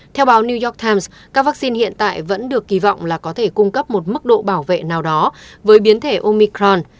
theo báo new york times các vaccine hiện tại vẫn được kỳ vọng là có thể cung cấp một mức độ bảo vệ nào đó với biến thể omicron